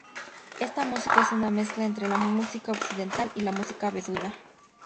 Esta música es una mezcla entre la música occidental y la música beduina.